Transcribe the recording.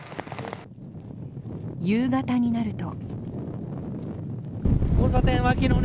夕方になると。